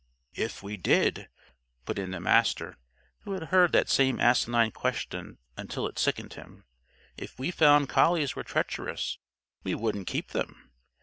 "If we did," put in the Master, who had heard that same asinine question until it sickened him, "if we found collies were treacherous, we wouldn't keep them.